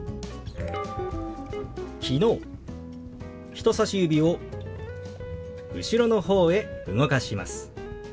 人さし指を後ろの方へ動かします。